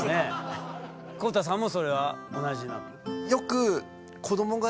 公太さんもそれは同じなの？